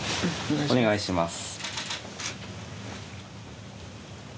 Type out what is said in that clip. お願いします。